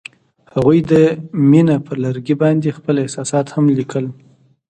هغوی د مینه پر لرګي باندې خپل احساسات هم لیکل.